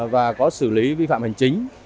và có xử lý vi phạm hành chính